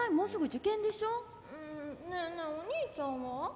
うんねえねえお兄ちゃんは？